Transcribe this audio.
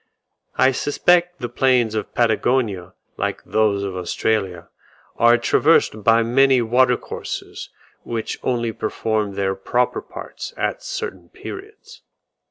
I suspect the plains of Patagonia like those of Australia, are traversed by many water courses which only perform their proper parts at certain periods.